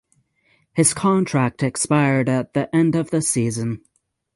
His contract expired at the end of the season.